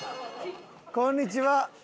こんにちは。